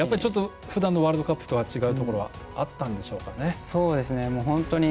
ふだんのワールドカップとは違うところがあったんでしょうか。